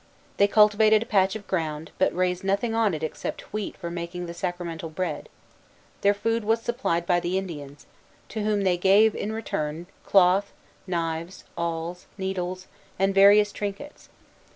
They cultivated a patch of ground, but raised nothing on it except wheat for making the sacramental bread. Their food was supplied by the Indians, to whom they gave, in return, cloth, knives, awls, needles, and various trinkets.